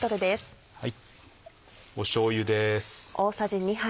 しょうゆです。